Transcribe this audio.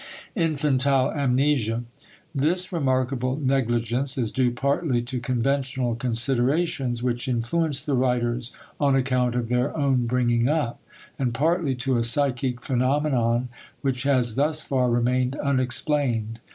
*Infantile Amnesia.* This remarkable negligence is due partly to conventional considerations, which influence the writers on account of their own bringing up, and partly to a psychic phenomenon which has thus far remained unexplained.